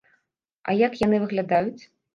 А як яны выглядаюць?